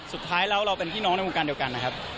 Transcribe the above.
สุดท้ายแล้วเราเป็นพี่น้องในวงการเดียวกันนะครับ